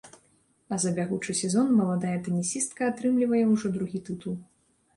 А за бягучы сезон маладая тэнісістка атрымлівае ўжо другі тытул.